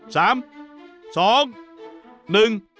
สามสองหนึ่ง